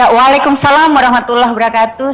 waalaikumsalam warahmatullahi wabarakatuh